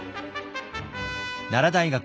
奈良大学